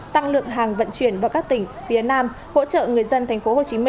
tăng lượng hàng vận chuyển vào các tỉnh phía nam hỗ trợ người dân tp hcm